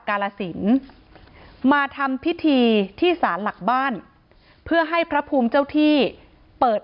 กาลสินมาทำพิธีที่สารหลักบ้านเพื่อให้พระภูมิเจ้าที่เปิด